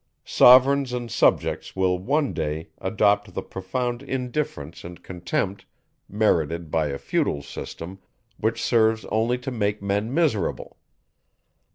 Sovereigns and subjects will one day adopt the profound indifference and contempt, merited by a futile system, which serves only to make men miserable.